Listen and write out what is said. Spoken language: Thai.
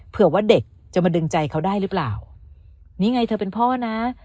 เผื่อว่าเด็กจะมาดึงใจเขาได้หรือเปล่านี่ไงเธอเป็นพ่อนะ